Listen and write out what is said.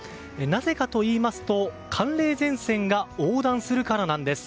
なぜかといいますと寒冷前線が横断するからなんです。